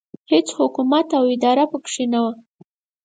هېڅ حکومت او اداره پکې نه وه.